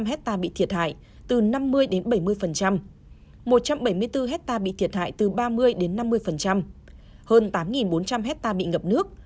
một năm trăm tám mươi năm hecta bị thiệt hại từ năm mươi đến bảy mươi một trăm bảy mươi bốn hecta bị thiệt hại từ ba mươi đến năm mươi hơn tám bốn trăm linh hecta bị ngập nước